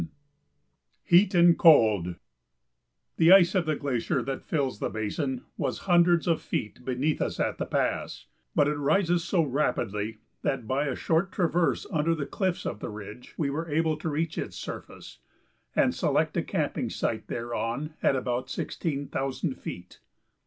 [Sidenote: Heat and Cold] The ice of the glacier that fills the basin was hundreds of feet beneath us at the pass, but it rises so rapidly that by a short traverse under the cliffs of the ridge we were able to reach its surface and select a camping site thereon at about sixteen thousand feet.